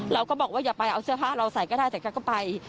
เราก็บอกว่าอย่าไปเอาเสื้อผ้าเราใส่ก็ได้แต่แกก็ไป